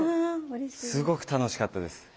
すごく楽しかったです。